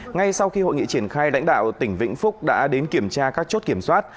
ngay sau khi hội nghị triển khai lãnh đạo tỉnh vĩnh phúc đã đến kiểm tra các chốt kiểm soát